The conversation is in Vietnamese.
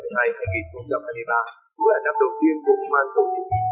năm học hai nghìn hai mươi một hai nghìn hai mươi hai hai nghìn hai mươi ba là năm đầu tiên của công an tổ chức